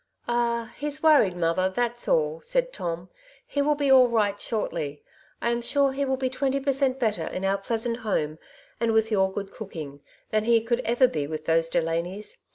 '^ Ah, he's worried, mother, that's all,'' said Tom. '^ He will be all right shortly. I am sure he will be twenty per cent, better in our pleasant home and Farezvell to Clement House. 183 with your good cooking, than ever he could be with those Delanys.